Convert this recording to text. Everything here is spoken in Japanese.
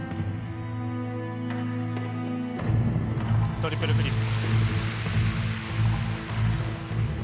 トリプルフリップ。